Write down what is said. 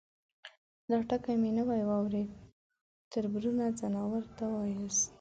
_دا ټکی مې نوی واورېد، تربرونه ، ځناورو ته واياست؟